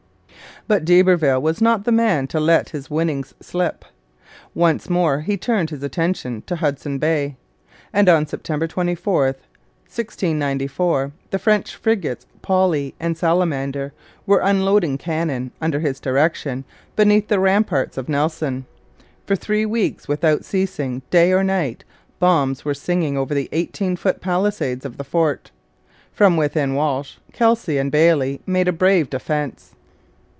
But d'Iberville was not the man to let his winnings slip. Once more he turned his attention to Hudson Bay, and on September 24, 1694, the French frigates Poli and Salamander were unloading cannon, under his direction, beneath the ramparts of Nelson. For three weeks, without ceasing day or night, bombs were singing over the eighteen foot palisades of the fort. From within Walsh, Kelsey, and Bailey made a brave defence.